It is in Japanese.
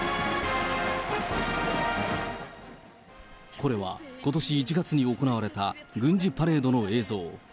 これはことし１月に行われた軍事パレードの映像。